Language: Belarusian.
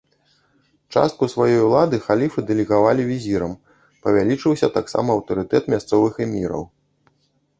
Частку сваёй улады халіфы дэлегавалі візірам, павялічыўся таксама аўтарытэт мясцовых эміраў.